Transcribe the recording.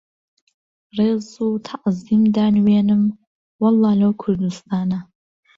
ڕێز و تەعزیم دانوێنم وەڵڵا لەو کوردوستانە